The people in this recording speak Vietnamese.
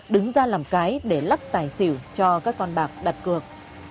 đứng ra làm cái để lắc tài xỉu cho các con bạc đặt cược